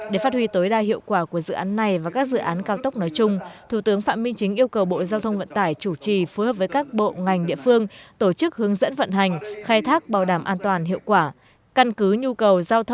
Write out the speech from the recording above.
để phát huy tối đa hiệu quả của dự án này và các dự án cao tốc nói chung thủ tướng phạm minh chính yêu cầu bộ giao thông vận tải chủ trì phối hợp với các bộ ngành địa phương tổ chức hướng dẫn vận hành khai thác bảo đảm an toàn hiệu quả